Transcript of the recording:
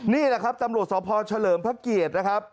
นี่แหละครับตำรวจสพเฉลิมพระเกียรตินะครับ